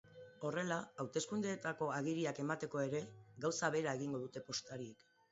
Horrela, hauteskundeetako agiriak emateko ere, gauza bera egingo dute postariek.